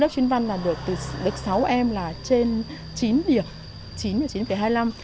lớp chuyên văn là được sáu em là trên chín điểm chín và chín hai mươi năm